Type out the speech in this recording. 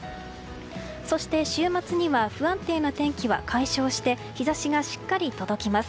そして、週末には不安定な天気は解消して日差しがしっかり届きます。